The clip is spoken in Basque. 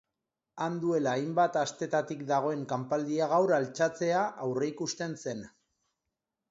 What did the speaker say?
Han duela hainbat astetatik dagoen kanpaldia gaur altxatzea aurreikusten zen.